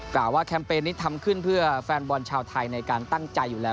กล่าวว่าแคมเปญนี้ทำขึ้นเพื่อแฟนบอลชาวไทยในการตั้งใจอยู่แล้ว